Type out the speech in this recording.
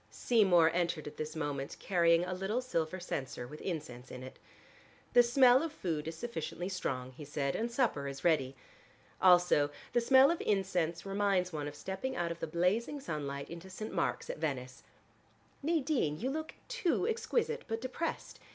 Seymour entered at this moment carrying a little silver censer with incense in it. "The smell of food is sufficiently strong," he said. "And supper is ready. Also the smell of incense reminds one of stepping out of the blazing sunlight into St. Mark's at Venice. Nadine, you look too exquisite, but depressed.